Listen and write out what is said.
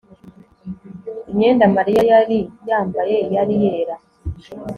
Imyenda Mariya yari yambaye yari yera